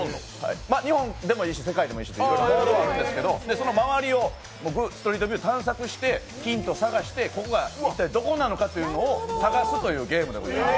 日本でもいいし、世界でもいいしどこでもいいんですけどその周りをストリートビュー探索して、ヒントを探して、ここが一体どこなのかを探すゲームです。